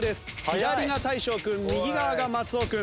左が大昇君右側が松尾君。